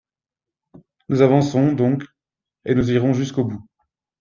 Nous avançons donc, et nous irons jusqu’au bout.